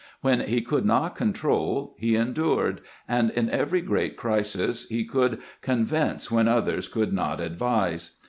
When he could not control he endured, and in every great crisis he could " convince when others could not advise."